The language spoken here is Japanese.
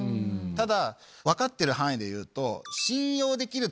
ただ分かってる範囲でいうと。